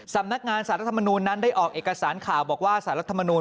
สำนักงานสารรัฐมนูลนั้นได้ออกเอกสารข่าวบอกว่าสารรัฐมนูล